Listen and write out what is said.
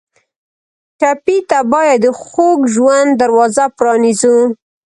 ټپي ته باید د خوږ ژوند دروازه پرانیزو.